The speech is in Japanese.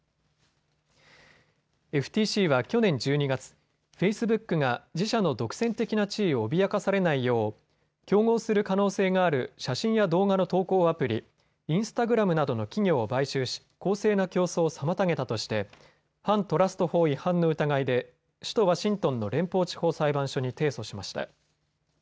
ＦＴＣは去年１２月、フェイスブックが自社の独占的な地位を脅かされないよう競合する可能性がある写真や動画の投稿アプリ、インスタグラムなどの企業を買収し公正な競争を妨げたとして反トラスト法違反の疑いで首都ワシントンの連邦地方裁判所に提訴しました。